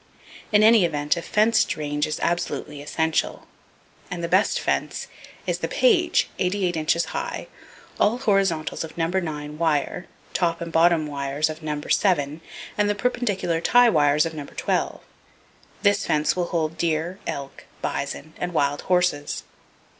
In any event, a fenced range is absolutely essential; and the best fence is the Page, 88 inches high, all horizontals of No. 9 wire, top and bottom wires of No. 7, and the perpendicular tie wires of No. 12. This fence will hold deer, elk, bison and wild horses.